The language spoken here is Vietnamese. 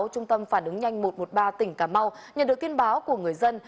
trung tâm phản ứng nhanh một trăm một mươi ba tỉnh cà mau nhận được tin báo của người dân